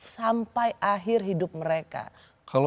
sampai akhir hidup mereka